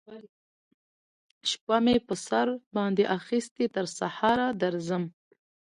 شپه می پر سر باندی اخیستې تر سهاره درځم